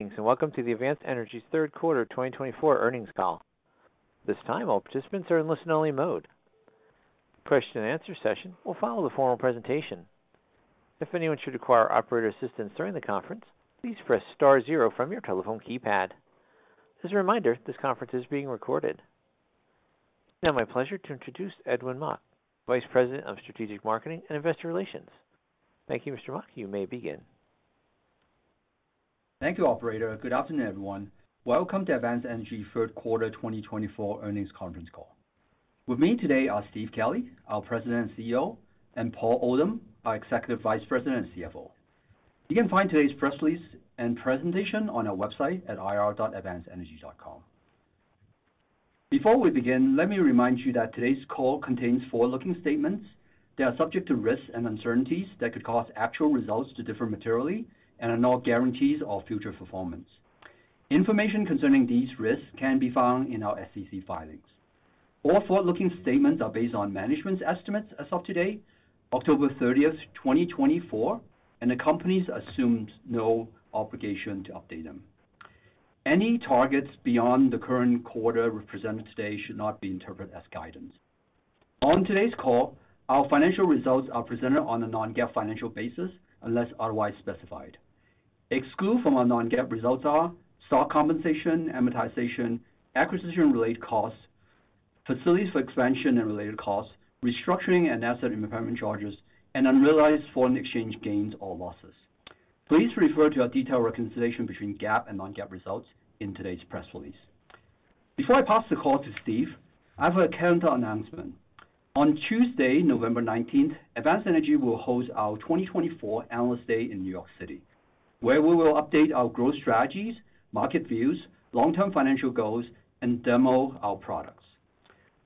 Thanks, and welcome to Advanced Energy's Third Quarter 2024 Earnings Call. At this time, all participants are in listen-only mode. A question-and-answer session will follow the formal presentation. If anyone should require operator assistance during the conference, please press star zero from your telephone keypad. As a reminder, this conference is being recorded. It's now my pleasure to introduce Edwin Mok, Vice President of Strategic Marketing and Investor Relations. Thank you, Mr. Mok. You may begin. Thank you, Operator. Good afternoon, everyone. Welcome to Advanced Energy Third Quarter 2024 Earnings Conference Call. With me today are Steve Kelley, our President and CEO, and Paul Oldham, our Executive Vice President and CFO. You can find today's press release and presentation on our website at ir.advancedenergy.com. Before we begin, let me remind you that today's call contains forward-looking statements that are subject to risks and uncertainties that could cause actual results to differ materially and are not guarantees of future performance. Information concerning these risks can be found in our SEC filings. All forward-looking statements are based on management's estimates as of today, October 30th, 2024, and the company assumes no obligation to update them. Any targets beyond the current quarter represented today should not be interpreted as guidance. On today's call, our financial results are presented on a non-GAAP financial basis unless otherwise specified. Excluded from our non-GAAP results are stock compensation, amortization, acquisition-related costs, facilities for expansion and related costs, restructuring and asset impairment charges, and unrealized foreign exchange gains or losses. Please refer to our detailed reconciliation between GAAP and non-GAAP results in today's press release. Before I pass the call to Steve, I have a calendar announcement. On Tuesday, November 19th, Advanced Energy will host our 2024 Analyst Day in New York City, where we will update our growth strategies, market views, long-term financial goals, and demo our products.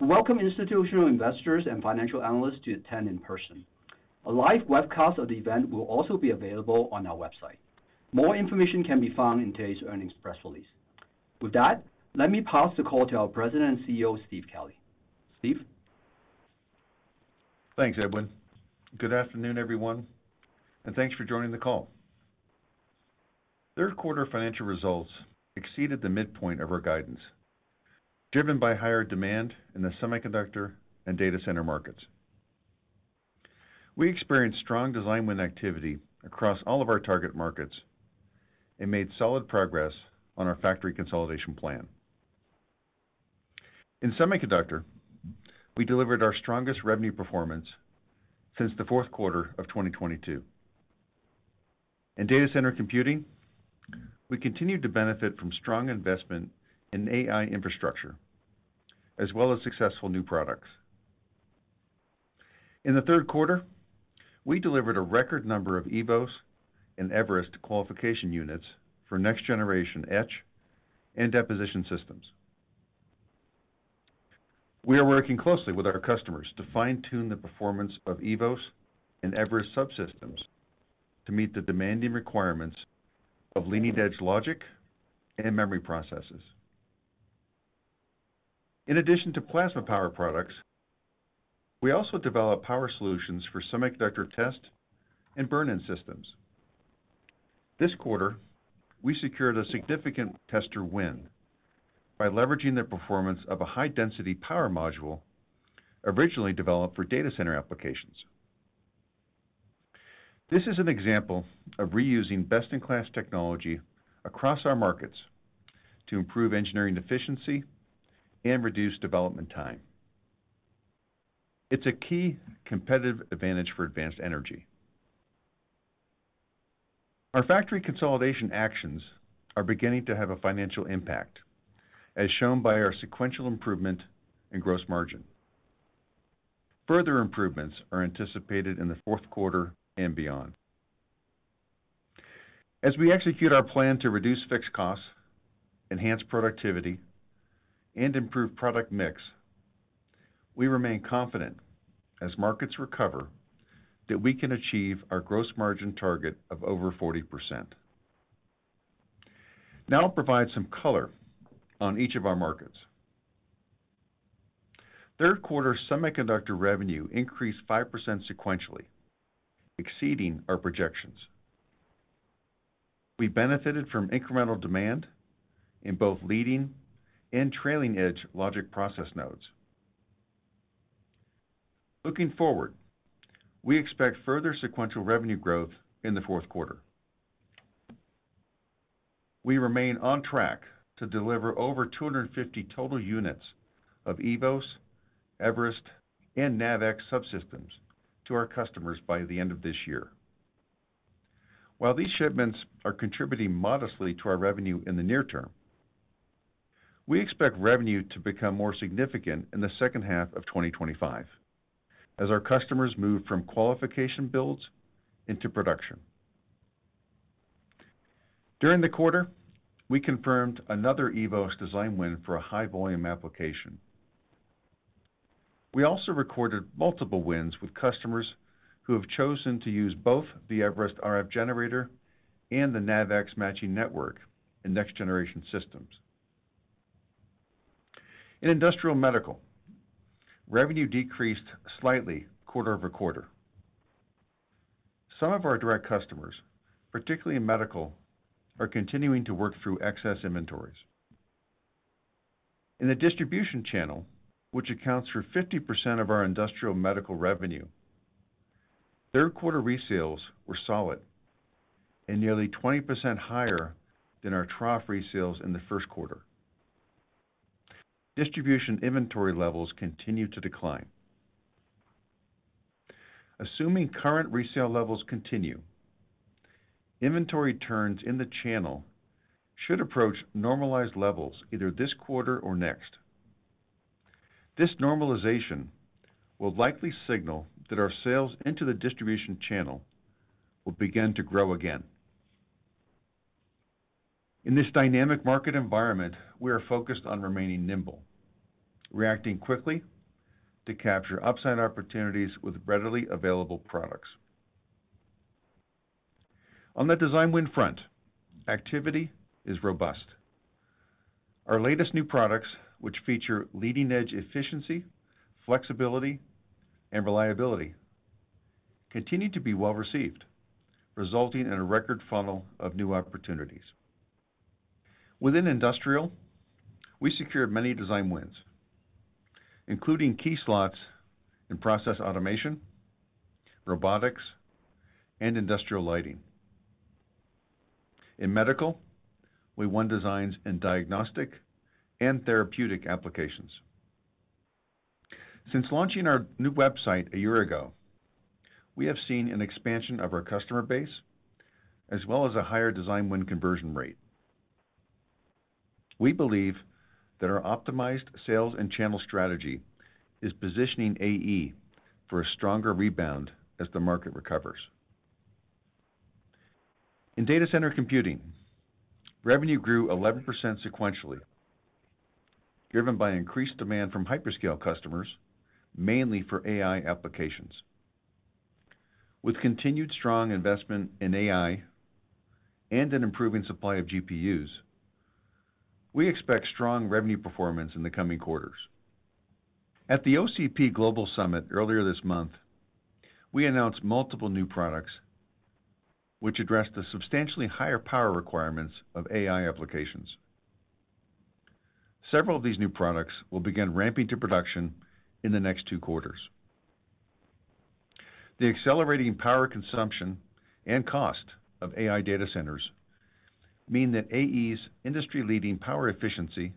We welcome institutional investors and financial analysts to attend in person. A live webcast of the event will also be available on our website. More information can be found in today's earnings press release. With that, let me pass the call to our President and CEO, Steve Kelley. Steve. Thanks, Edwin. Good afternoon, everyone, and thanks for joining the call. Third-quarter financial results exceeded the midpoint of our guidance, driven by higher demand in the semiconductor and data center markets. We experienced strong design win activity across all of our target markets and made solid progress on our factory consolidation plan. In semiconductor, we delivered our strongest revenue performance since the fourth quarter of 2022. In data center computing, we continued to benefit from strong investment in AI infrastructure, as well as successful new products. In the third quarter, we delivered a record number of eVoS and Everest qualification units for next-generation etch and deposition systems. We are working closely with our customers to fine-tune the performance of eVoS and Everest subsystems to meet the demanding requirements of leading edge logic and memory processes. In addition to plasma power products, we also develop power solutions for semiconductor test and burn-in systems. This quarter, we secured a significant tester win by leveraging the performance of a high-density power module originally developed for data center applications. This is an example of reusing best-in-class technology across our markets to improve engineering efficiency and reduce development time. It's a key competitive advantage for Advanced Energy. Our factory consolidation actions are beginning to have a financial impact, as shown by our sequential improvement in gross margin. Further improvements are anticipated in the fourth quarter and beyond. As we execute our plan to reduce fixed costs, enhance productivity, and improve product mix, we remain confident, as markets recover, that we can achieve our gross margin target of over 40%. Now I'll provide some color on each of our markets. Third-quarter semiconductor revenue increased 5% sequentially, exceeding our projections. We benefited from incremental demand in both leading and trailing edge logic process nodes. Looking forward, we expect further sequential revenue growth in the fourth quarter. We remain on track to deliver over 250 total units of eVoS, Everest, and NavX subsystems to our customers by the end of this year. While these shipments are contributing modestly to our revenue in the near term, we expect revenue to become more significant in the second half of 2025, as our customers move from qualification builds into production. During the quarter, we confirmed another eVoS design win for a high-volume application. We also recorded multiple wins with customers who have chosen to use both the Everest RF generator and the NavX matching network in next-generation systems. In industrial medical, revenue decreased slightly quarter over quarter. Some of our direct customers, particularly in medical, are continuing to work through excess inventories. In the distribution channel, which accounts for 50% of our industrial medical revenue, third-quarter resales were solid and nearly 20% higher than our trough resales in the first quarter. Distribution inventory levels continue to decline. Assuming current resale levels continue, inventory turns in the channel should approach normalized levels either this quarter or next. This normalization will likely signal that our sales into the distribution channel will begin to grow again. In this dynamic market environment, we are focused on remaining nimble, reacting quickly to capture upside opportunities with readily available products. On the design win front, activity is robust. Our latest new products, which feature leading-edge efficiency, flexibility, and reliability, continue to be well received, resulting in a record funnel of new opportunities. Within industrial, we secured many design wins, including key slots in process automation, robotics, and industrial lighting. In medical, we won designs in diagnostic and therapeutic applications. Since launching our new website a year ago, we have seen an expansion of our customer base as well as a higher design win conversion rate. We believe that our optimized sales and channel strategy is positioning AE for a stronger rebound as the market recovers. In data center computing, revenue grew 11% sequentially, driven by increased demand from hyperscale customers, mainly for AI applications. With continued strong investment in AI and an improving supply of GPUs, we expect strong revenue performance in the coming quarters. At the OCP Global Summit earlier this month, we announced multiple new products which address the substantially higher power requirements of AI applications. Several of these new products will begin ramping to production in the next two quarters. The accelerating power consumption and cost of AI data centers mean that AE's industry-leading power efficiency,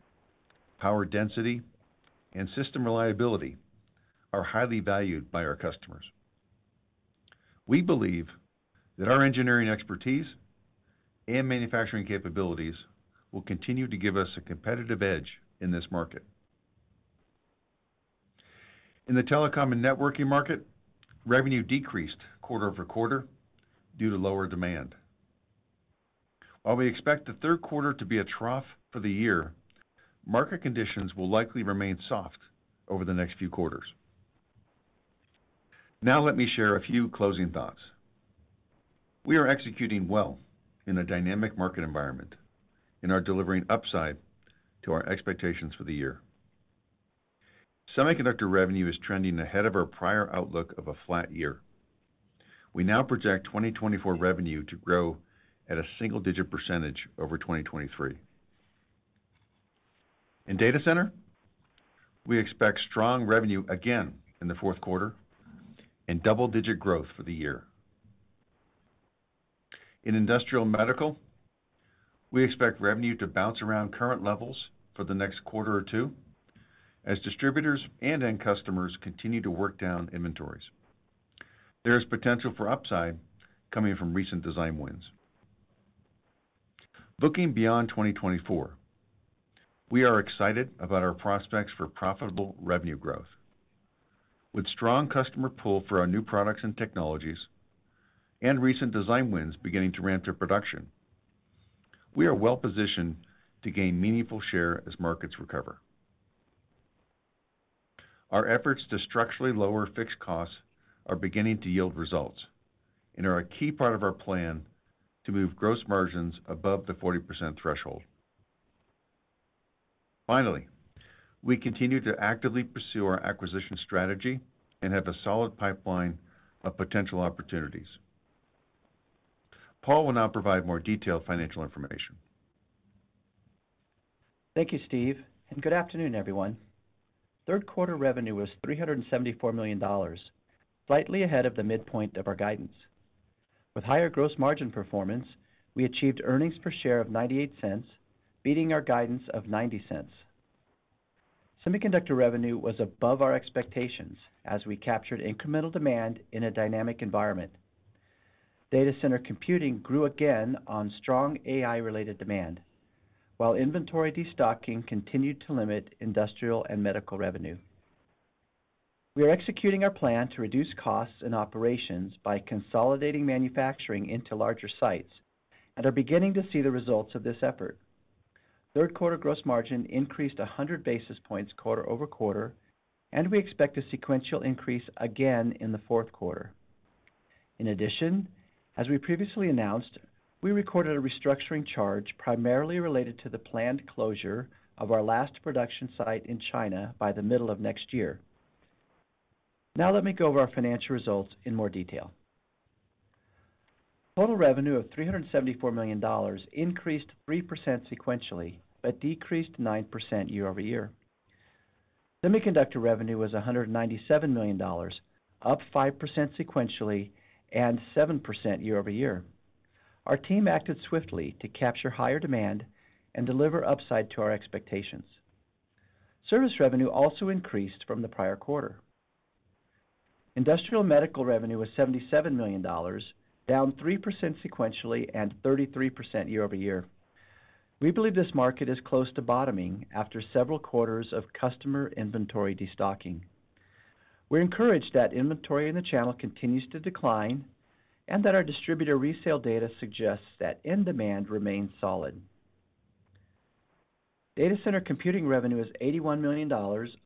power density, and system reliability are highly valued by our customers. We believe that our engineering expertise and manufacturing capabilities will continue to give us a competitive edge in this market. In the telecom and networking market, revenue decreased quarter over quarter due to lower demand. While we expect the third quarter to be a trough for the year, market conditions will likely remain soft over the next few quarters. Now let me share a few closing thoughts. We are executing well in a dynamic market environment and are delivering upside to our expectations for the year. Semiconductor revenue is trending ahead of our prior outlook of a flat year. We now project 2024 revenue to grow at a single-digit % over 2023. In data center, we expect strong revenue again in the fourth quarter and double-digit growth for the year. In industrial medical, we expect revenue to bounce around current levels for the next quarter or two as distributors and end customers continue to work down inventories. There is potential for upside coming from recent design wins. Looking beyond 2024, we are excited about our prospects for profitable revenue growth. With strong customer pull for our new products and technologies and recent design wins beginning to ramp to production, we are well positioned to gain meaningful share as markets recover. Our efforts to structurally lower fixed costs are beginning to yield results and are a key part of our plan to move gross margins above the 40% threshold. Finally, we continue to actively pursue our acquisition strategy and have a solid pipeline of potential opportunities. Paul will now provide more detailed financial information. Thank you, Steve, and good afternoon, everyone. Third-quarter revenue was $374 million, slightly ahead of the midpoint of our guidance. With higher gross margin performance, we achieved earnings per share of $0.98, beating our guidance of $0.90. Semiconductor revenue was above our expectations as we captured incremental demand in a dynamic environment. Data center computing grew again on strong AI-related demand, while inventory destocking continued to limit industrial and medical revenue. We are executing our plan to reduce costs and operations by consolidating manufacturing into larger sites and are beginning to see the results of this effort. Third-quarter gross margin increased 100 basis points quarter over quarter, and we expect a sequential increase again in the fourth quarter. In addition, as we previously announced, we recorded a restructuring charge primarily related to the planned closure of our last production site in China by the middle of next year. Now let me go over our financial results in more detail. Total revenue of $374 million increased 3% sequentially but decreased 9% year-over-year. Semiconductor revenue was $197 million, up 5% sequentially and 7% year-over-year. Our team acted swiftly to capture higher demand and deliver upside to our expectations. Service revenue also increased from the prior quarter. Industrial medical revenue was $77 million, down 3% sequentially and 33% year-over-year. We believe this market is close to bottoming after several quarters of customer inventory destocking. We're encouraged that inventory in the channel continues to decline and that our distributor resale data suggests that end demand remains solid. Data center computing revenue is $81 million,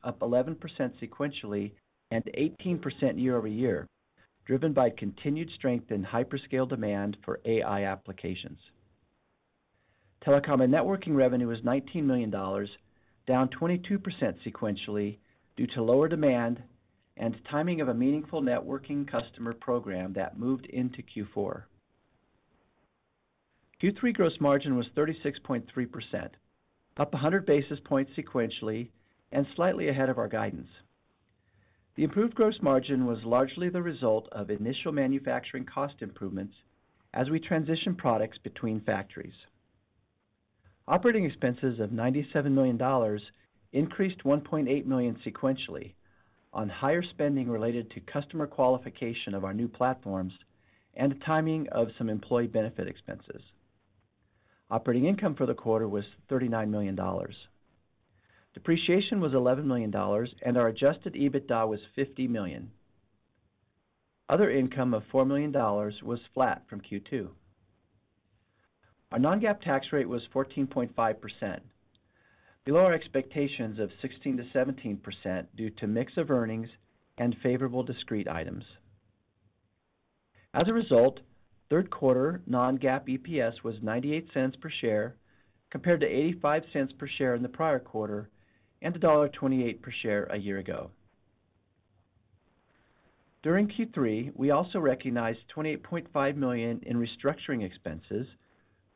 up 11% sequentially and 18% year-over-year, driven by continued strength in hyperscale demand for AI applications. Telecom and networking revenue is $19 million, down 22% sequentially due to lower demand and timing of a meaningful networking customer program that moved into Q4. Q3 gross margin was 36.3%, up 100 basis points sequentially and slightly ahead of our guidance. The improved gross margin was largely the result of initial manufacturing cost improvements as we transitioned products between factories. Operating expenses of $97 million increased $1.8 million sequentially on higher spending related to customer qualification of our new platforms and timing of some employee benefit expenses. Operating income for the quarter was $39 million. Depreciation was $11 million and our Adjusted EBITDA was $50 million. Other income of $4 million was flat from Q2. Our non-GAAP tax rate was 14.5%, below our expectations of 16%-17% due to mix of earnings and favorable discrete items. As a result, third-quarter non-GAAP EPS was $0.98 per share compared to $0.85 per share in the prior quarter and $1.28 per share a year ago. During Q3, we also recognized $28.5 million in restructuring expenses,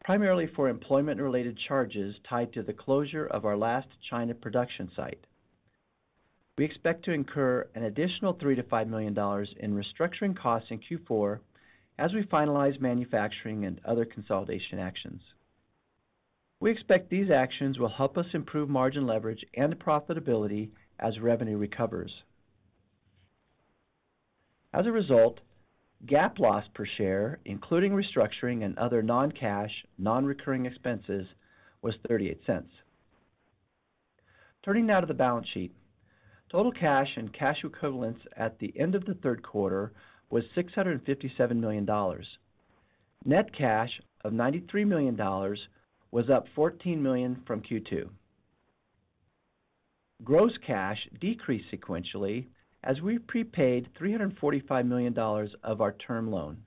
primarily for employment-related charges tied to the closure of our last China production site. We expect to incur an additional $3 million-$5 million in restructuring costs in Q4 as we finalize manufacturing and other consolidation actions. We expect these actions will help us improve margin leverage and profitability as revenue recovers. As a result, GAAP loss per share, including restructuring and other non-cash, non-recurring expenses, was $0.38. Turning now to the balance sheet, total cash and cash equivalents at the end of the third quarter was $657 million. Net cash of $93 million was up $14 million from Q2. Gross cash decreased sequentially as we prepaid $345 million of our term loan.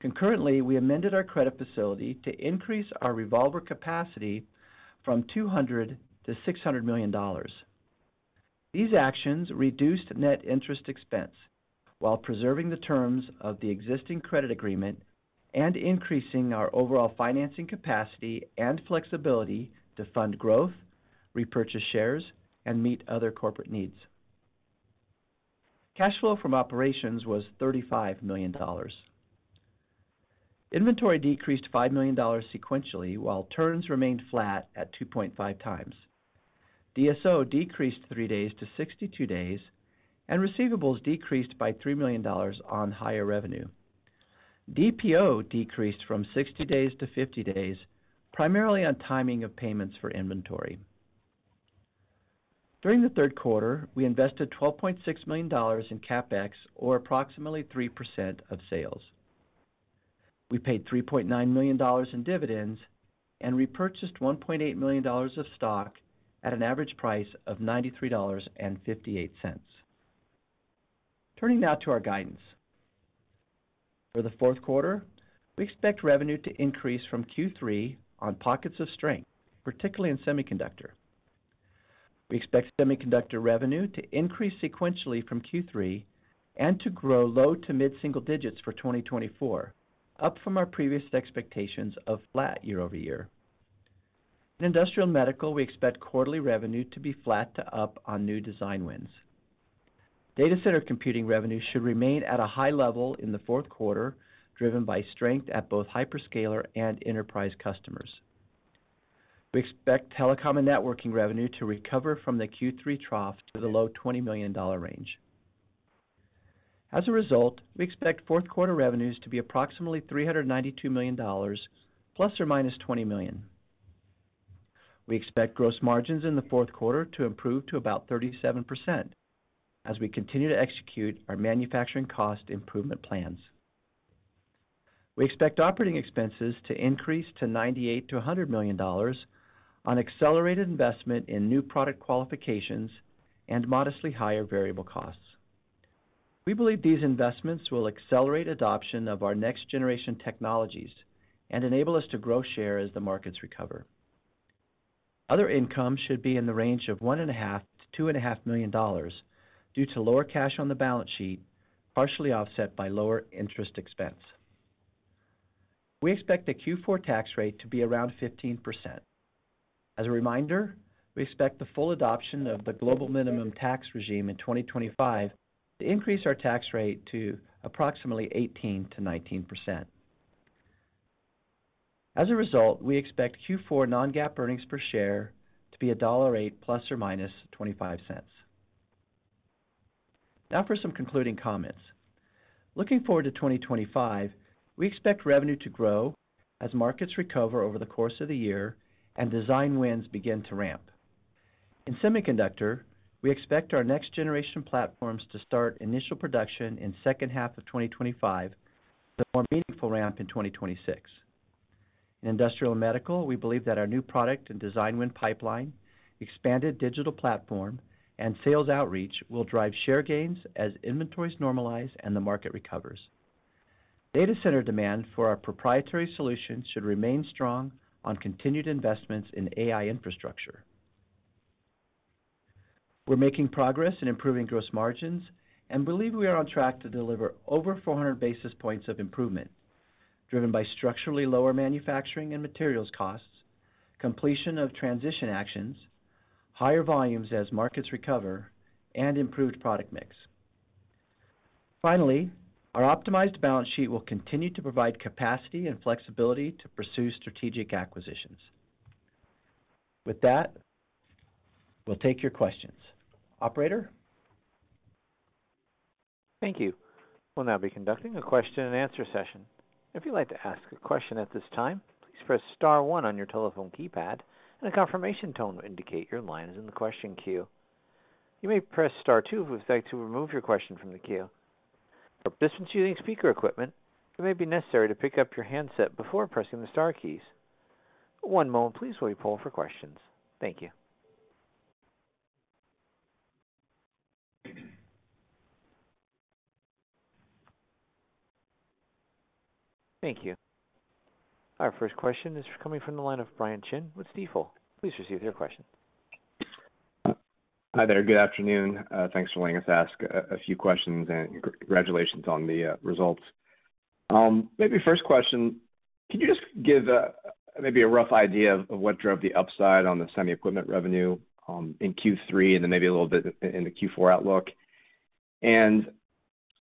Concurrently, we amended our credit facility to increase our revolver capacity from $200 million to $600 million. These actions reduced net interest expense while preserving the terms of the existing credit agreement and increasing our overall financing capacity and flexibility to fund growth, repurchase shares, and meet other corporate needs. Cash flow from operations was $35 million. Inventory decreased $5 million sequentially while turns remained flat at 2.5x. DSO decreased three days to 62 days and receivables decreased by $3 million on higher revenue. DPO decreased from 60 days to 50 days, primarily on timing of payments for inventory. During the third quarter, we invested $12.6 million in CapEx, or approximately 3% of sales. We paid $3.9 million in dividends and repurchased $1.8 million of stock at an average price of $93.58. Turning now to our guidance. For the fourth quarter, we expect revenue to increase from Q3 on pockets of strength, particularly in semiconductor. We expect semiconductor revenue to increase sequentially from Q3 and to grow low to mid-single digits for 2024, up from our previous expectations of flat year-over-year. In industrial medical, we expect quarterly revenue to be flat to up on new design wins. Data center computing revenue should remain at a high level in the fourth quarter, driven by strength at both hyperscaler and enterprise customers. We expect telecom and networking revenue to recover from the Q3 trough to the low $20 million range. As a result, we expect fourth-quarter revenues to be approximately $392 million, $± 20 million. We expect gross margins in the fourth quarter to improve to about 37% as we continue to execute our manufacturing cost improvement plans. We expect operating expenses to increase to $98 million-$100 million on accelerated investment in new product qualifications and modestly higher variable costs. We believe these investments will accelerate adoption of our next-generation technologies and enable us to grow share as the markets recover. Other income should be in the range of $1.5 million-$2.5 million due to lower cash on the balance sheet, partially offset by lower interest expense. We expect the Q4 tax rate to be around 15%. As a reminder, we expect the full adoption of the global minimum tax regime in 2025 to increase our tax rate to approximately 18%-19%. As a result, we expect Q4 non-GAAP earnings per share to be $1.08 plus or minus $0.25. Now for some concluding comments. Looking forward to 2025, we expect revenue to grow as markets recover over the course of the year and design wins begin to ramp. In semiconductor, we expect our next-generation platforms to start initial production in the second half of 2025 with a more meaningful ramp in 2026. In industrial medical, we believe that our new product and design win pipeline, expanded digital platform, and sales outreach will drive share gains as inventories normalize and the market recovers. Data center demand for our proprietary solutions should remain strong on continued investments in AI infrastructure. We're making progress in improving gross margins and believe we are on track to deliver over 400 basis points of improvement, driven by structurally lower manufacturing and materials costs, completion of transition actions, higher volumes as markets recover, and improved product mix. Finally, our optimized balance sheet will continue to provide capacity and flexibility to pursue strategic acquisitions. With that, we'll take your questions. Operator? Thank you. We'll now be conducting a question-and-answer session. If you'd like to ask a question at this time, please press star one on your telephone keypad and a confirmation tone will indicate your line is in the question queue. You may press star two if you'd like to remove your question from the queue. For participants using speaker equipment, it may be necessary to pick up your handset before pressing the star keys. One moment, please, while we pull for questions. Thank you. Thank you. Our first question is coming from the line of Brian Chin with Stifel. Please proceed with your question. Hi there. Good afternoon. Thanks for letting us ask a few questions and congratulations on the results. Maybe first question, could you just give maybe a rough idea of what drove the upside on the semi-equipment revenue in Q3 and then maybe a little bit in the Q4 outlook? And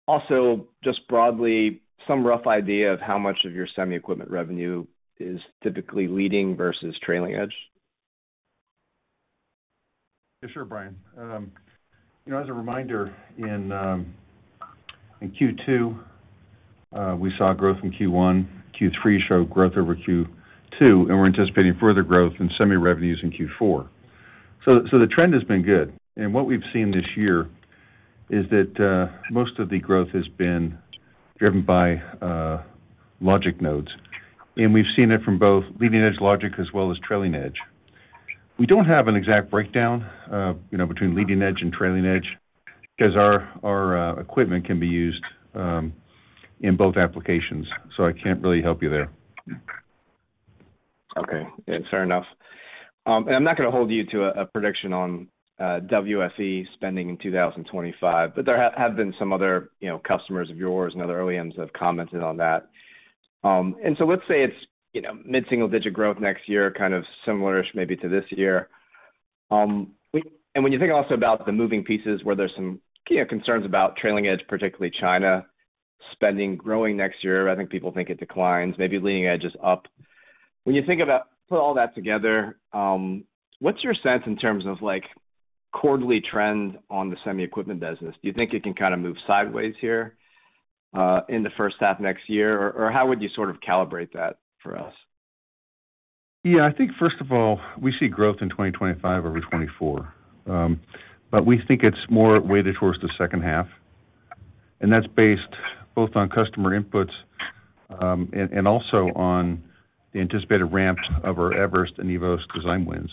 also, just broadly, some rough idea of how much of your semi-equipment revenue is typically leading versus trailing edge? Yeah, sure, Brian. As a reminder, in Q2, we saw growth in Q1. Q3 showed growth over Q2, and we're anticipating further growth in semi-revenues in Q4, so the trend has been good, and what we've seen this year is that most of the growth has been driven by logic nodes. And we've seen it from both leading-edge logic as well as trailing edge. We don't have an exact breakdown between leading edge and trailing edge because our equipment can be used in both applications, so I can't really help you there. Okay. Yeah, fair enough. And I'm not going to hold you to a prediction on WFE spending in 2025, but there have been some other customers of yours and other OEMs that have commented on that. And so let's say it's mid-single-digit growth next year, kind of similarish maybe to this year. And when you think also about the moving pieces where there's some concerns about trailing edge, particularly China spending growing next year, I think people think it declines, maybe leading edge is up. When you think about putting all that together, what's your sense in terms of quarterly trend on the semi-equipment business? Do you think it can kind of move sideways here in the first half next year? Or how would you sort of calibrate that for us? Yeah, I think, first of all, we see growth in 2025 over 2024, but we think it's more weighted towards the second half. And that's based both on customer inputs and also on the anticipated ramp of our Everest and eVoS design wins.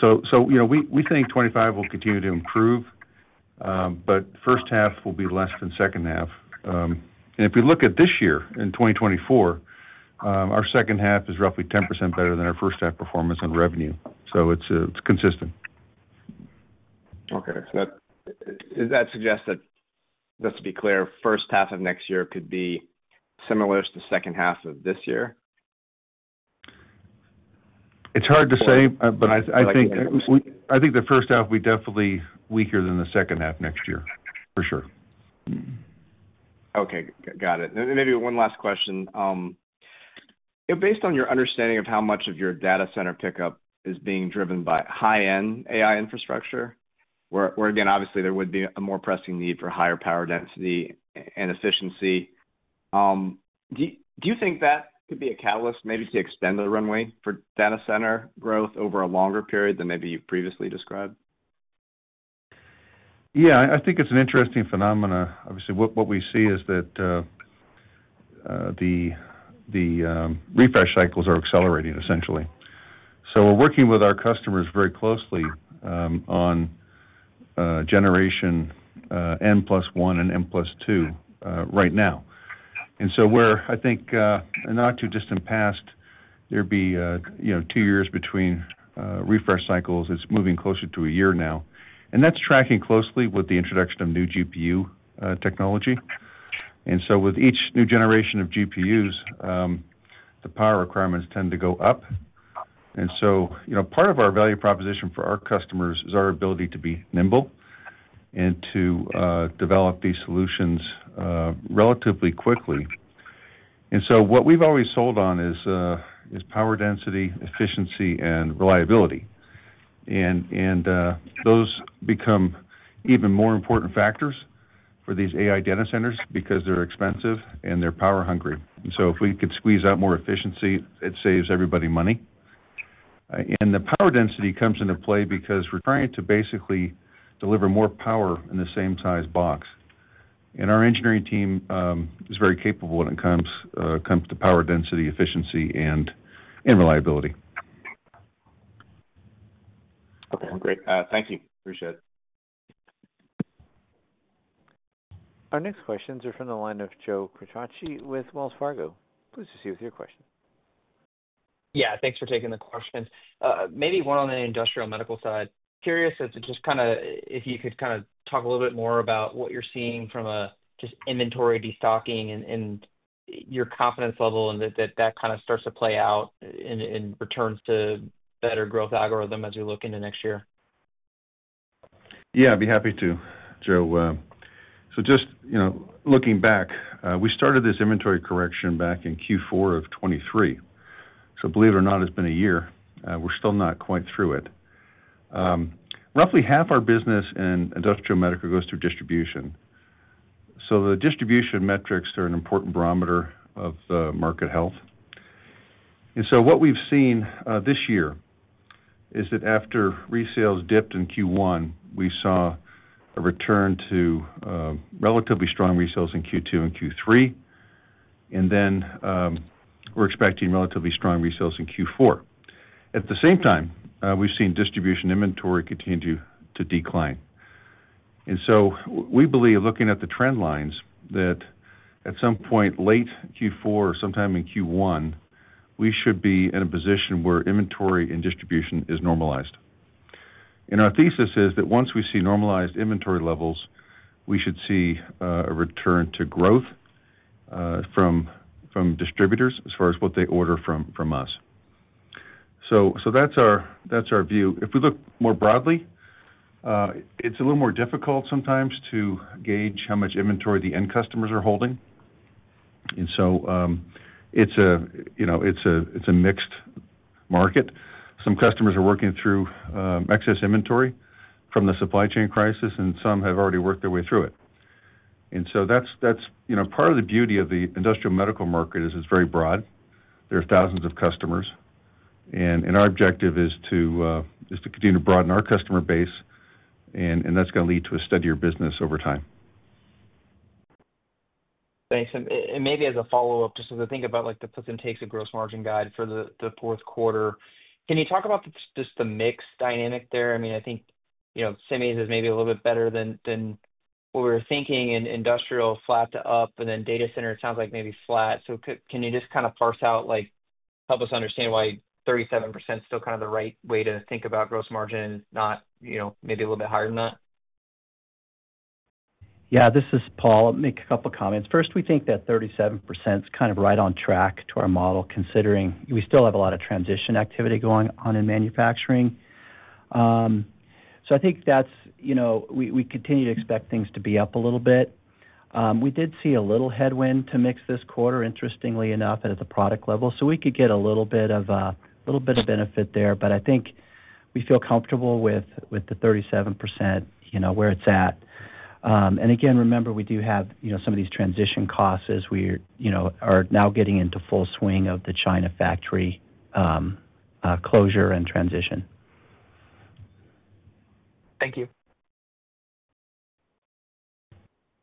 So we think 2025 will continue to improve, but first half will be less than second half. And if we look at this year in 2024, our second half is roughly 10% better than our first-half performance and revenue. So it's consistent. Okay. So that suggests that, just to be clear, first half of next year could be similar to the second half of this year? It's hard to say, but I think the first half will be definitely weaker than the second half next year, for sure. Okay. Got it. And maybe one last question. Based on your understanding of how much of your data center pickup is being driven by high-end AI infrastructure, where, again, obviously, there would be a more pressing need for higher power density and efficiency, do you think that could be a catalyst maybe to extend the runway for data center growth over a longer period than maybe you've previously described? Yeah. I think it's an interesting phenomenon. Obviously, what we see is that the refresh cycles are accelerating, essentially. So we're working with our customers very closely on generation N+1 and N+2 right now. And so where I think, in not too distant past, there'd be two years between refresh cycles. It's moving closer to a year now. And that's tracking closely with the introduction of new GPU technology. And so with each new generation of GPUs, the power requirements tend to go up. And so part of our value proposition for our customers is our ability to be nimble and to develop these solutions relatively quickly. And so what we've always sold on is power density, efficiency, and reliability. And those become even more important factors for these AI data centers because they're expensive and they're power-hungry. If we could squeeze out more efficiency, it saves everybody money. The power density comes into play because we're trying to basically deliver more power in the same size box. Our engineering team is very capable when it comes to power density, efficiency, and reliability. Okay. Great. Thank you. Appreciate it. Our next questions are from the line of Joe Quatrochi with Wells Fargo. Please proceed with your question. Yeah. Thanks for taking the question. Maybe one on the industrial medical side. Curious if you could kind of talk a little bit more about what you're seeing from just inventory destocking and your confidence level and that that kind of starts to play out in returns to better growth algorithm as we look into next year. Yeah. I'd be happy to, Joe. So just looking back, we started this inventory correction back in Q4 of 2023. So believe it or not, it's been a year. We're still not quite through it. Roughly half our business in industrial medical goes through distribution. So the distribution metrics are an important barometer of market health. And so what we've seen this year is that after resales dipped in Q1, we saw a return to relatively strong resales in Q2 and Q3. And then we're expecting relatively strong resales in Q4. At the same time, we've seen distribution inventory continue to decline. And so we believe, looking at the trend lines, that at some point late Q4 or sometime in Q1, we should be in a position where inventory and distribution is normalized. And our thesis is that once we see normalized inventory levels, we should see a return to growth from distributors as far as what they order from us. So that's our view. If we look more broadly, it's a little more difficult sometimes to gauge how much inventory the end customers are holding. And so it's a mixed market. Some customers are working through excess inventory from the supply chain crisis, and some have already worked their way through it. And so part of the beauty of the industrial medical market is it's very broad. There are thousands of customers. And our objective is to continue to broaden our customer base, and that's going to lead to a steadier business over time. Thanks. And maybe as a follow-up, just as I think about the pluses and minuses of gross margin guide for the fourth quarter, can you talk about just the mix dynamic there? I mean, I think semis is maybe a little bit better than what we were thinking in industrial, flat to up, and then data center, it sounds like maybe flat. So can you just kind of parse out, help us understand why 37% is still kind of the right way to think about gross margin, not maybe a little bit higher than that? Yeah. This is Paul. I'll make a couple of comments. First, we think that 37% is kind of right on track to our model, considering we still have a lot of transition activity going on in manufacturing. So I think we continue to expect things to be up a little bit. We did see a little headwind to mix this quarter, interestingly enough, at the product level. So we could get a little bit of benefit there. But I think we feel comfortable with the 37% where it's at. And again, remember, we do have some of these transition costs as we are now getting into full swing of the China factory closure and transition. Thank you.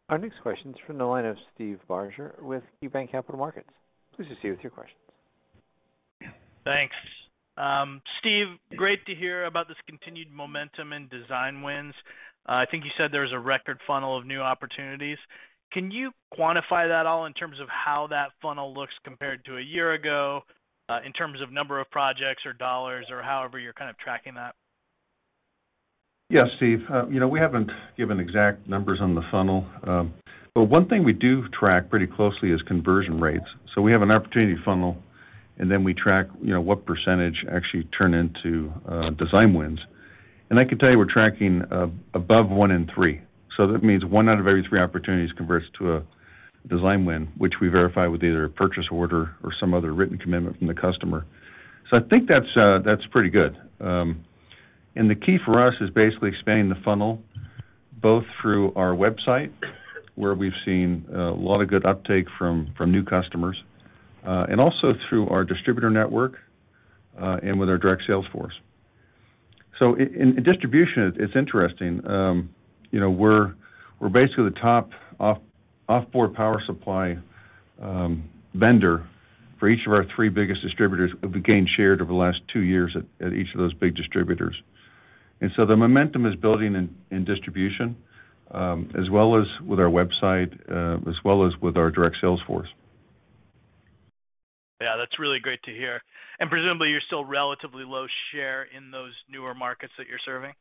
Our next question is from the line of Steve Barger with KeyBanc Capital Markets. Please proceed with your questions. Thanks. Steve, great to hear about this continued momentum in design wins. I think you said there was a record funnel of new opportunities. Can you quantify that all in terms of how that funnel looks compared to a year ago, in terms of number of projects or dollars or however you're kind of tracking that? Yeah, Steve. We haven't given exact numbers on the funnel. But one thing we do track pretty closely is conversion rates. So we have an opportunity funnel, and then we track what percentage actually turn into design wins. And I can tell you we're tracking above one in three. So that means one out of every three opportunities converts to a design win, which we verify with either a purchase order or some other written commitment from the customer. So I think that's pretty good. And the key for us is basically expanding the funnel both through our website, where we've seen a lot of good uptake from new customers, and also through our distributor network and with our direct sales force. So in distribution, it's interesting. We're basically the top off-board power supply vendor for each of our three biggest distributors that we gained share over the last two years at each of those big distributors. And so the momentum is building in distribution as well as with our website, as well as with our direct sales force. Yeah. That's really great to hear. And presumably, you're still relatively low share in those newer markets that you're serving?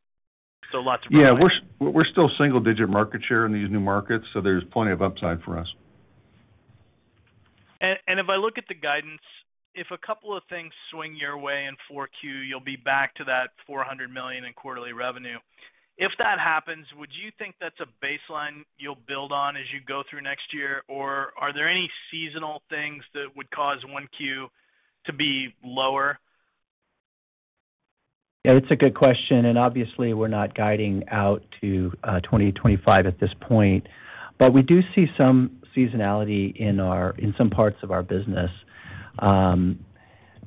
So lots of market share. Yeah. We're still single-digit market share in these new markets. So there's plenty of upside for us. If I look at the guidance, if a couple of things swing your way in Q4, you'll be back to that $400 million in quarterly revenue. If that happens, would you think that's a baseline you'll build on as you go through next year? Or are there any seasonal things that would cause one quarter to be lower? Yeah. That's a good question. And obviously, we're not guiding out to 2025 at this point. But we do see some seasonality in some parts of our business.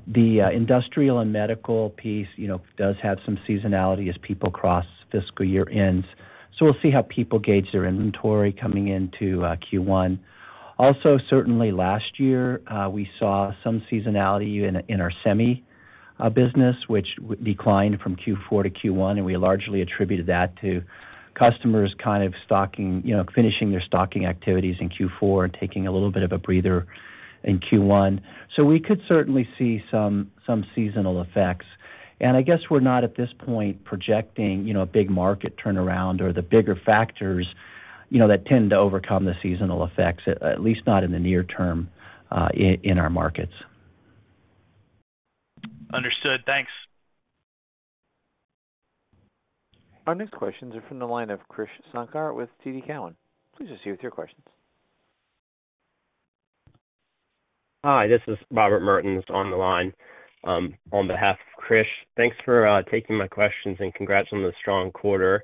The industrial and medical piece does have some seasonality as people cross fiscal year ends. So we'll see how people gauge their inventory coming into Q1. Also, certainly, last year, we saw some seasonality in our semi business, which declined from Q4 to Q1. And we largely attributed that to customers kind of finishing their stocking activities in Q4 and taking a little bit of a breather in Q1. So we could certainly see some seasonal effects. And I guess we're not at this point projecting a big market turnaround or the bigger factors that tend to overcome the seasonal effects, at least not in the near term in our markets. Understood. Thanks. Our next questions are from the line of Krish Sankar with TD Cowen. Please proceed with your questions. Hi. This is Robert Mertens on the line on behalf of Krish. Thanks for taking my questions and congrats on the strong quarter.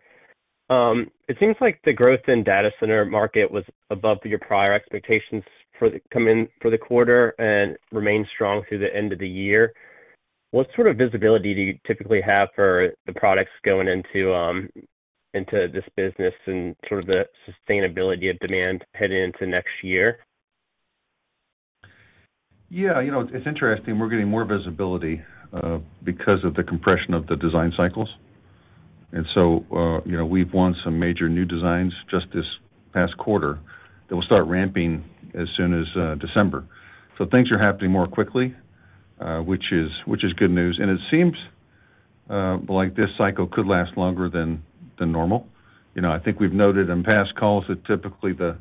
It seems like the growth in data center market was above your prior expectations for the quarter and remained strong through the end of the year. What sort of visibility do you typically have for the products going into this business and sort of the sustainability of demand heading into next year? Yeah. It's interesting. We're getting more visibility because of the compression of the design cycles. And so we've won some major new designs just this past quarter that will start ramping as soon as December. So things are happening more quickly, which is good news. And it seems like this cycle could last longer than normal. I think we've noted in past calls that typically the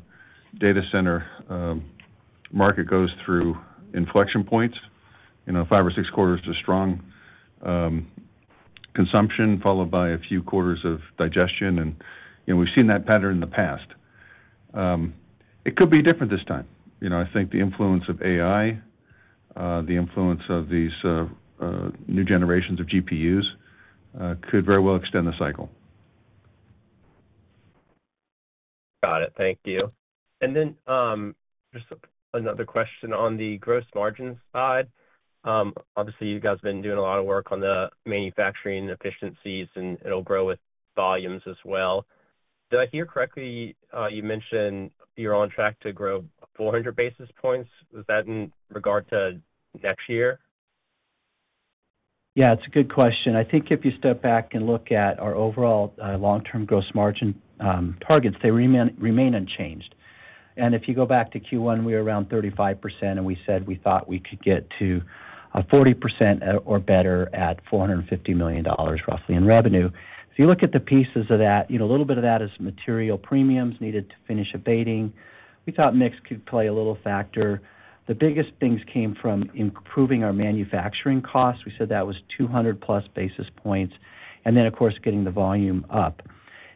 data center market goes through inflection points. Five or six quarters to strong consumption followed by a few quarters of digestion. And we've seen that pattern in the past. It could be different this time. I think the influence of AI, the influence of these new generations of GPUs could very well extend the cycle. Got it. Thank you. And then just another question on the gross margin side. Obviously, you guys have been doing a lot of work on the manufacturing efficiencies, and it'll grow with volumes as well. Did I hear correctly? You mentioned you're on track to grow 400 basis points. Is that in regard to next year? Yeah. It's a good question. I think if you step back and look at our overall long-term gross margin targets, they remain unchanged. And if you go back to Q1, we were around 35%, and we said we thought we could get to 40% or better at $450 million, roughly, in revenue. If you look at the pieces of that, a little bit of that is material premiums needed to finish abating. We thought mix could play a little factor. The biggest things came from improving our manufacturing costs. We said that was 200-plus basis points. And then, of course, getting the volume up.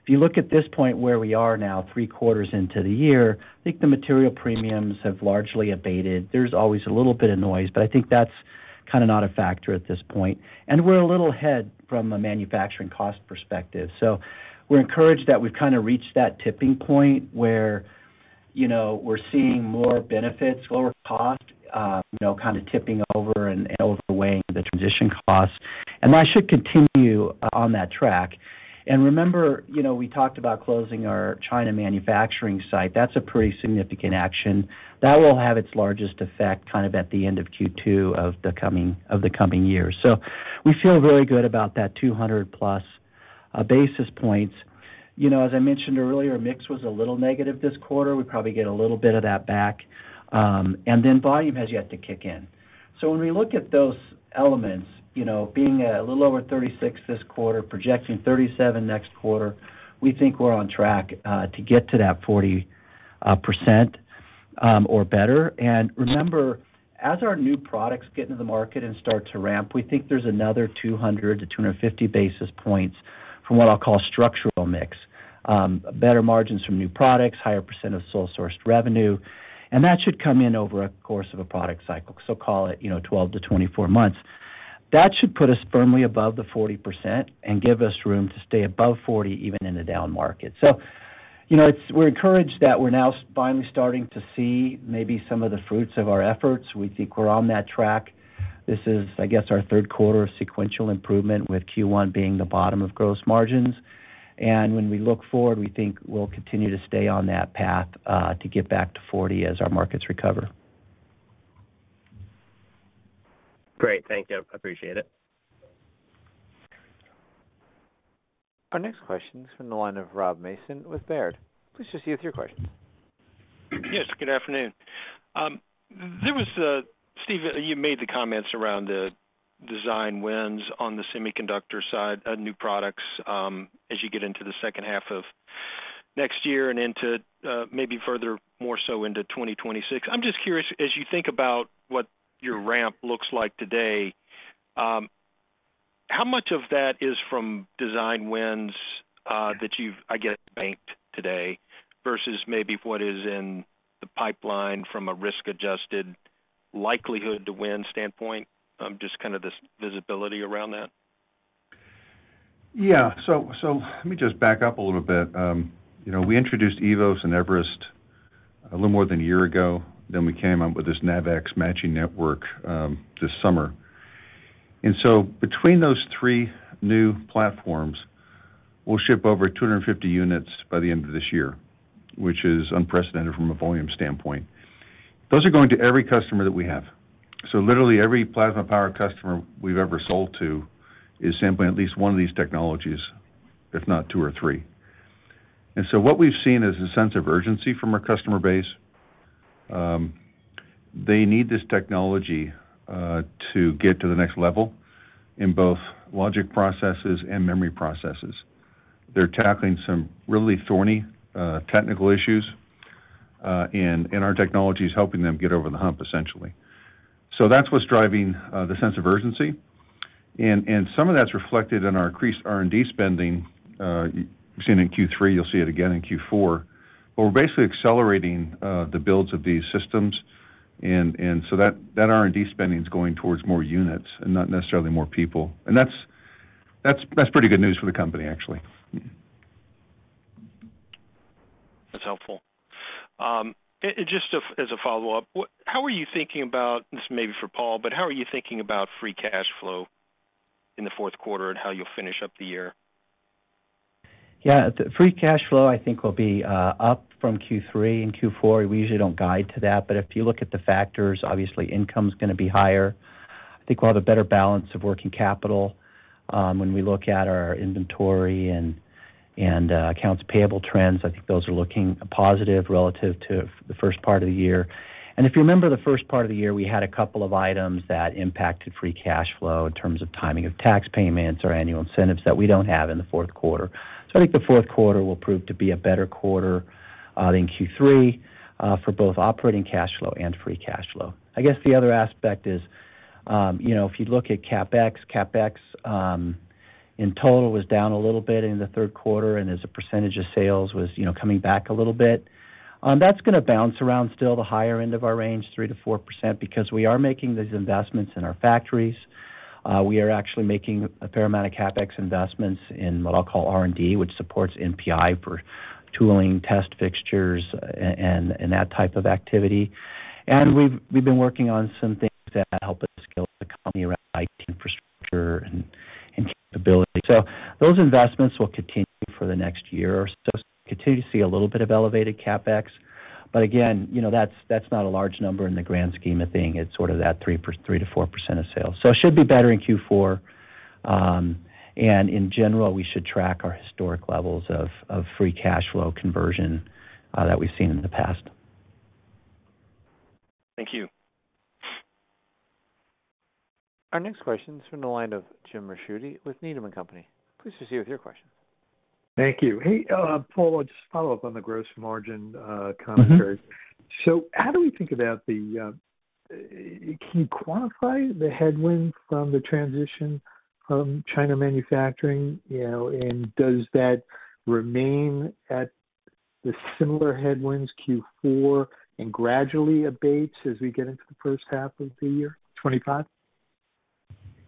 If you look at this point where we are now, three quarters into the year, I think the material premiums have largely abated. There's always a little bit of noise, but I think that's kind of not a factor at this point. We're a little ahead from a manufacturing cost perspective. So we're encouraged that we've kind of reached that tipping point where we're seeing more benefits, lower cost, kind of tipping over and outweighing the transition costs. And that should continue on that track. And remember, we talked about closing our China manufacturing site. That's a pretty significant action. That will have its largest effect kind of at the end of Q2 of the coming year. So we feel very good about that 200-plus basis points. As I mentioned earlier, mix was a little negative this quarter. We probably get a little bit of that back. And then volume has yet to kick in. So when we look at those elements, being a little over 36% this quarter, projecting 37% next quarter, we think we're on track to get to that 40% or better. Remember, as our new products get into the market and start to ramp, we think there's another 200-250 basis points from what I'll call structural mix: better margins from new products, higher percent of sole-sourced revenue. That should come in over a course of a product cycle, so call it 12-24 months. That should put us firmly above the 40% and give us room to stay above 40% even in a down market. We're encouraged that we're now finally starting to see maybe some of the fruits of our efforts. We think we're on that track. This is, I guess, our third quarter of sequential improvement, with Q1 being the bottom of gross margins. When we look forward, we think we'll continue to stay on that path to get back to 40% as our markets recover. Great. Thank you. I appreciate it. Our next question is from the line of Rob Mason with Baird. Please proceed with your questions. Yes. Good afternoon. Steve, you made the comments around the design wins on the semiconductor side of new products as you get into the second half of next year and into maybe further more so into 2026. I'm just curious, as you think about what your ramp looks like today, how much of that is from design wins that you've, I guess, banked today versus maybe what is in the pipeline from a risk-adjusted likelihood-to-win standpoint? Just kind of this visibility around that. Yeah. So let me just back up a little bit. We introduced eVoS and Everest a little more than a year ago, and we came up with this NavX matching network this summer. And so between those three new platforms, we'll ship over 250 units by the end of this year, which is unprecedented from a volume standpoint. Those are going to every customer that we have. So literally, every plasma power customer we've ever sold to is sampling at least one of these technologies, if not two or three. And so what we've seen is a sense of urgency from our customer base. They need this technology to get to the next level in both logic processes and memory processes. They're tackling some really thorny technical issues, and our technology is helping them get over the hump, essentially. So that's what's driving the sense of urgency. And some of that's reflected in our increased R&D spending. You've seen it in Q3. You'll see it again in Q4. But we're basically accelerating the builds of these systems. And so that R&D spending is going towards more units and not necessarily more people. And that's pretty good news for the company, actually. That's helpful. Just as a follow-up, how are you thinking about (this may be for Paul) but how are you thinking about free cash flow in the fourth quarter and how you'll finish up the year? Yeah. Free cash flow, I think, will be up from Q3. In Q4, we usually don't guide to that. But if you look at the factors, obviously, income is going to be higher. I think we'll have a better balance of working capital when we look at our inventory and accounts payable trends. I think those are looking positive relative to the first part of the year. And if you remember the first part of the year, we had a couple of items that impacted free cash flow in terms of timing of tax payments or annual incentives that we don't have in the fourth quarter. So I think the fourth quarter will prove to be a better quarter than Q3 for both operating cash flow and free cash flow. I guess the other aspect is if you look at CapEx, CapEx in total was down a little bit in the third quarter, and as a percentage of sales was coming back a little bit. That's going to bounce around still the higher end of our range, 3%-4%, because we are making these investments in our factories. We are actually making a fair amount of CapEx investments in what I'll call R&D, which supports NPI for tooling, test fixtures, and that type of activity. And we've been working on some things that help us scale the company around IT infrastructure and capability. So those investments will continue for the next year or so. Continue to see a little bit of elevated CapEx. But again, that's not a large number in the grand scheme of things. It's sort of that 3%-4% of sales. It should be better in Q4. In general, we should track our historic levels of free cash flow conversion that we've seen in the past. Thank you. Our next question is from the line of Jim Ricchiuti with Needham & Company. Please proceed with your questions. Thank you. Hey, Paul, just a follow-up on the gross margin commentary. How do we think about? Can you quantify the headwinds from the transition from China manufacturing? Does that remain at the similar headwinds Q4, and gradually abates as we get into the first half of the year, 2025?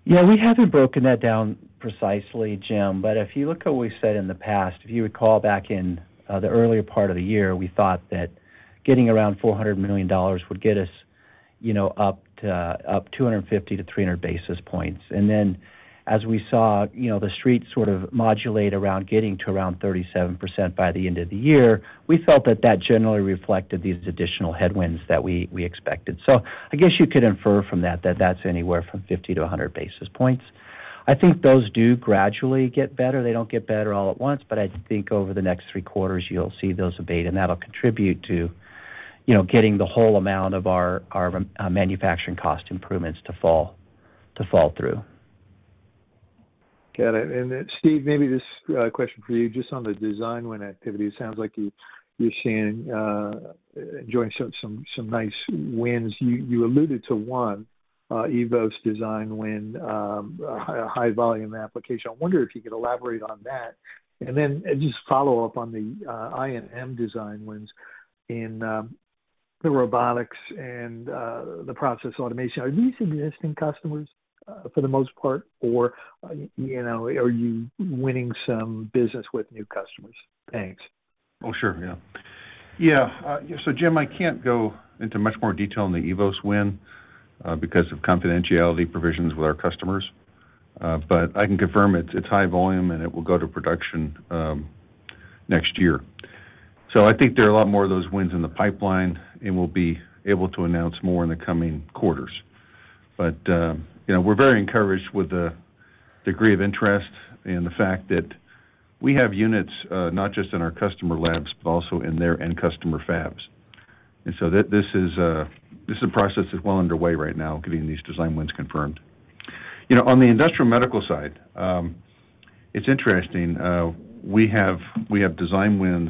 Yeah. We haven't broken that down precisely, Jim. But if you look at what we've said in the past, if you recall back in the earlier part of the year, we thought that getting around $400 million would get us up to 250-300 basis points. And then as we saw the street sort of modulate around getting to around 37% by the end of the year, we felt that that generally reflected these additional headwinds that we expected. So I guess you could infer from that that that's anywhere from 50-100 basis points. I think those do gradually get better. They don't get better all at once. But I think over the next three quarters, you'll see those abate. And that'll contribute to getting the whole amount of our manufacturing cost improvements to fall through. Got it. And Steve, maybe this question for you. Just on the design win activity, it sounds like you're enjoying some nice wins. You alluded to one eVoS design win, high volume application. I wonder if you could elaborate on that. And then just follow up on the I&M design wins in the robotics and the process automation. Are these existing customers for the most part, or are you winning some business with new customers? Thanks. Oh, sure. Yeah. Yeah. So Jim, I can't go into much more detail on the eVoS win because of confidentiality provisions with our customers. But I can confirm it's high volume, and it will go to production next year. So I think there are a lot more of those wins in the pipeline, and we'll be able to announce more in the coming quarters. But we're very encouraged with the degree of interest and the fact that we have units not just in our customer labs, but also in their end customer fabs. And so this is a process that's well underway right now, getting these design wins confirmed. On the industrial medical side, it's interesting. We have design wins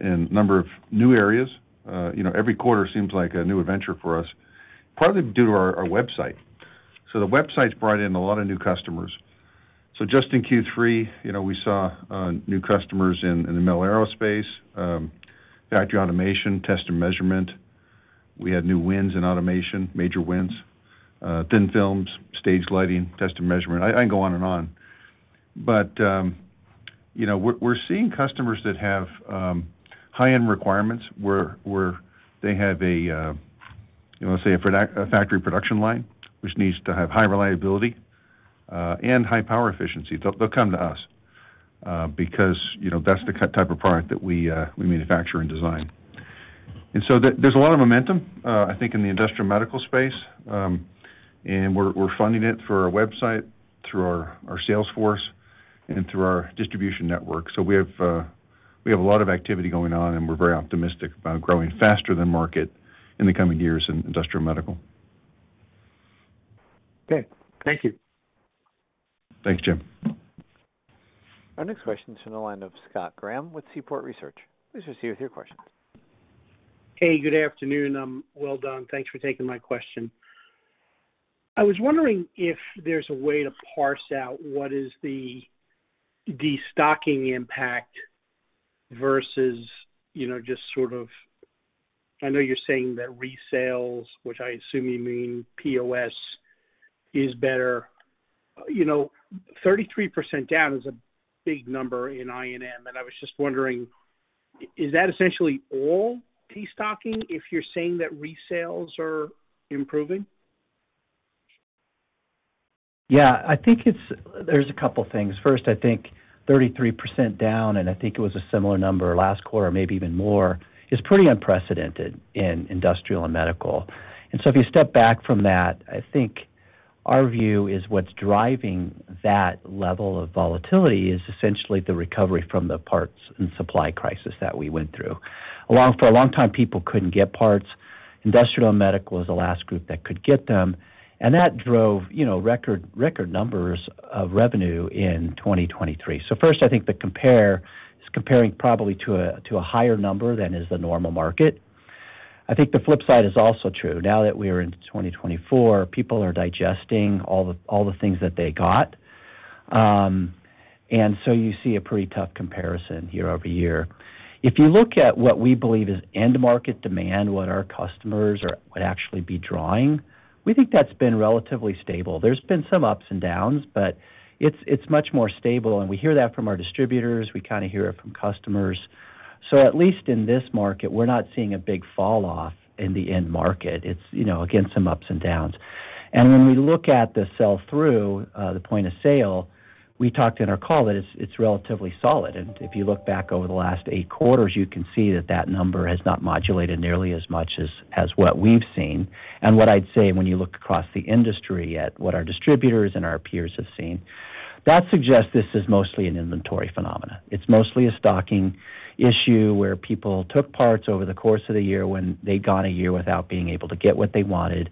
in a number of new areas. Every quarter seems like a new adventure for us, partly due to our website. So the website's brought in a lot of new customers. So just in Q3, we saw new customers in the metal, aerospace, factory automation, test and measurement. We had new wins in automation, major wins, thin films, stage lighting, test and measurement. I can go on and on. But we're seeing customers that have high-end requirements where they have a, let's say, a factory production line which needs to have high reliability and high power efficiency. They'll come to us because that's the type of product that we manufacture and design. And so there's a lot of momentum, I think, in the industrial medical space. And we're finding it through our website, through our sales force, and through our distribution network. So we have a lot of activity going on, and we're very optimistic about growing faster than market in the coming years in industrial medical. Good. Thank you. Thanks, Jim. Our next question is from the line of Scott Graham with Seaport Research. Please proceed with your questions. Hey, good afternoon. I'm well done. Thanks for taking my question. I was wondering if there's a way to parse out what is the destocking impact versus just sort of, I know you're saying that resales, which I assume you mean POS, is better. 33% down is a big number in I&M. and I was just wondering, is that essentially all destocking if you're saying that resales are improving? Yeah. I think there's a couple of things. First, I think 33% down, and I think it was a similar number last quarter, maybe even more, is pretty unprecedented in industrial and medical. And so if you step back from that, I think our view is what's driving that level of volatility is essentially the recovery from the parts and supply crisis that we went through. For a long time, people couldn't get parts. Industrial and medical was the last group that could get them. And that drove record numbers of revenue in 2023. So first, I think the compare is comparing probably to a higher number than is the normal market. I think the flip side is also true. Now that we are in 2024, people are digesting all the things that they got. And so you see a pretty tough comparison year-over-year. If you look at what we believe is end market demand, what our customers would actually be drawing, we think that's been relatively stable. There's been some ups and downs, but it's much more stable. And we hear that from our distributors. We kind of hear it from customers. So at least in this market, we're not seeing a big falloff in the end market. It's, again, some ups and downs. And when we look at the sell-through, the point of sale, we talked in our call that it's relatively solid. And if you look back over the last eight quarters, you can see that that number has not modulated nearly as much as what we've seen. And what I'd say when you look across the industry at what our distributors and our peers have seen, that suggests this is mostly an inventory phenomenon. It's mostly a stocking issue where people took parts over the course of the year when they'd gone a year without being able to get what they wanted,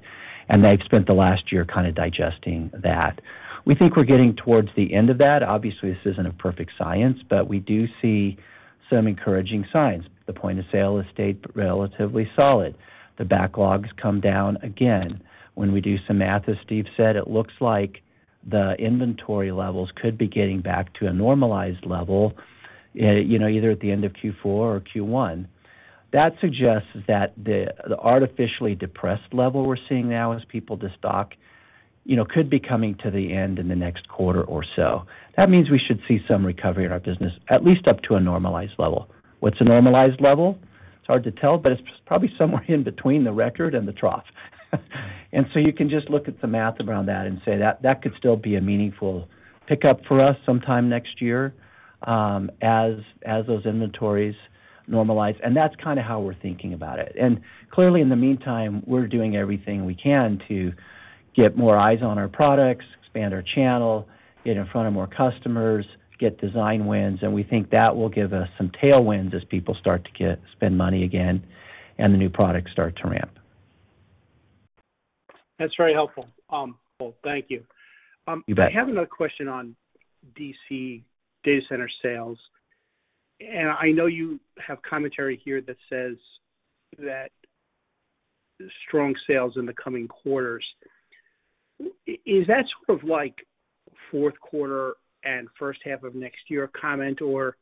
and they've spent the last year kind of digesting that. We think we're getting towards the end of that. Obviously, this isn't a perfect science, but we do see some encouraging signs. The point of sale has stayed relatively solid. The backlogs come down again. When we do some math, as Steve said, it looks like the inventory levels could be getting back to a normalized level either at the end of Q4 or Q1. That suggests that the artificially depressed level we're seeing now as people destock could be coming to the end in the next quarter or so. That means we should see some recovery in our business, at least up to a normalized level. What's a normalized level? It's hard to tell, but it's probably somewhere in between the record and the trough. And so you can just look at the math around that and say that that could still be a meaningful pickup for us sometime next year as those inventories normalize. And that's kind of how we're thinking about it. And clearly, in the meantime, we're doing everything we can to get more eyes on our products, expand our channel, get in front of more customers, get design wins. And we think that will give us some tailwinds as people start to spend money again and the new products start to ramp. That's very helpful. Paul, Thank you. You bet. I have another question on DC data center sales, and I know you have commentary here that says that strong sales in the coming quarters. Is that sort of like fourth quarter and first half of next year comment, or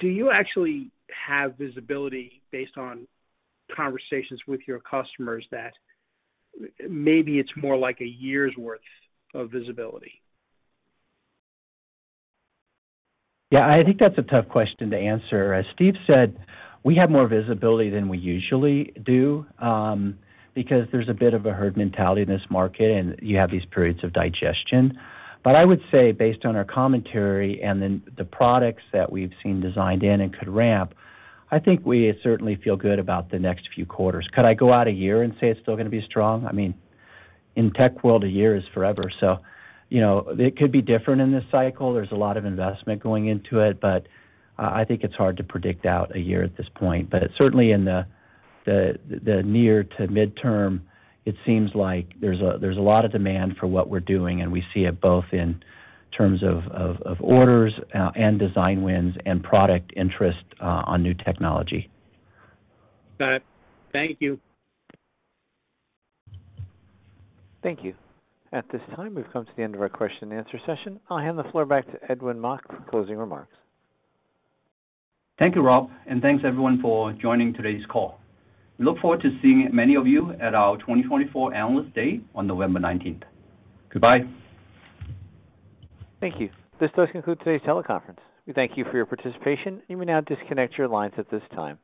do you actually have visibility based on conversations with your customers that maybe it's more like a year's worth of visibility? Yeah. I think that's a tough question-to-answer. As Steve said, we have more visibility than we usually do because there's a bit of a herd mentality in this market, and you have these periods of digestion. But I would say, based on our commentary and then the products that we've seen designed in and could ramp, I think we certainly feel good about the next few quarters. Could I go out a year and say it's still going to be strong? I mean, in tech world, a year is forever. So it could be different in this cycle. There's a lot of investment going into it. But I think it's hard to predict out a year at this point. But certainly, in the near to midterm, it seems like there's a lot of demand for what we're doing. And we see it both in terms of orders and design wins and product interest on new technology. Got it. Thank you. Thank you. At this time, we've come to the end of our question-and-answer session. I'll hand the floor back to Edwin Mok for closing remarks. Thank you, Rob. And thanks, everyone, for joining today's call. We look forward to seeing many of you at our 2024 Analyst Day on November 19th. Goodbye. Thank you. This does conclude today's teleconference. We thank you for your participation. You may now disconnect your lines at this time.